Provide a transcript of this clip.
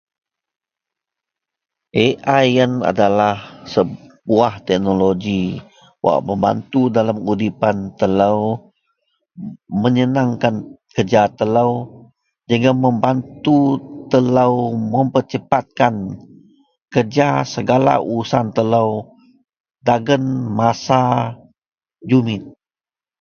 Ai ienlah adalah sebuah teknoloji wak membatu dalam udipan telo menyenengkan kerja telo jegum membatu telo mempercepatkan kerja segala urusan telo dagen masa jumit.